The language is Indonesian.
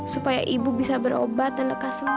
supaya ibu bisa berobat dan lekas sembuh